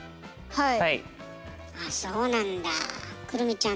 はい。